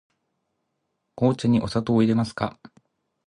紅茶にお砂糖をいれますか。